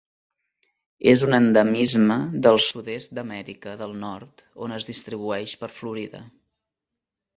És un endemisme del sud-est d'Amèrica del Nord on es distribueix per Florida.